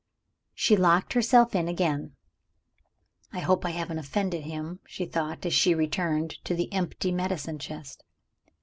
She locked herself in again. "I hope I haven't offended him!" she thought, as she returned to the empty medicine chest.